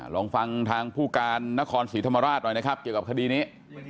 ลองฟังทางผู้การนครศรีธรรมราชหน่อยนะครับเกี่ยวกับคดีนี้